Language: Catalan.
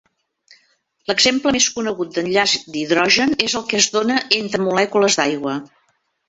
L'exemple més conegut d'enllaç d'hidrogen és el que es dóna entre molècules d'aigua.